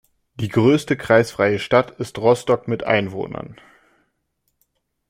Die größte kreisfreie Stadt ist Rostock mit Einwohnern.